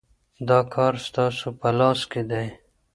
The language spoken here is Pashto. دا کار ستاسو په لاس کي دی.